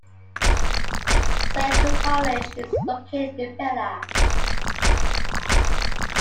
Central College is located in Pella.